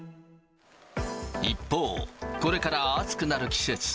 一方、これから暑くなる季節。